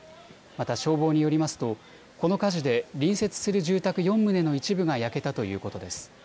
また消防によりますとこの火事で隣接する住宅４棟の一部が焼けたということです。